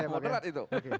ya muderat itu